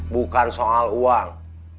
bukan soal uang